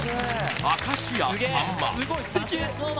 明石家さんま